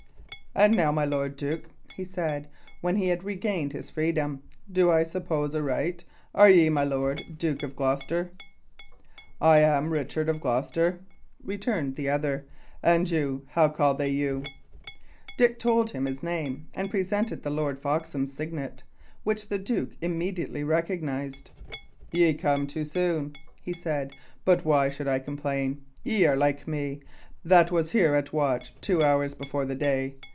"And now, my lord duke," he said, when he had regained his freedom, "do I suppose aright? Are ye my Lord Duke of Gloucester?" "I am Richard of Gloucester," returned the other. "And you how call they you?" Dick told him his name, and presented Lord Foxham's signet, which the duke immediately recognised. "Ye come too soon," he said; "but why should I complain? Ye are like me, that was here at watch two hours before the day.